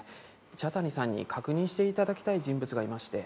茶谷さんに確認して頂きたい人物がいまして。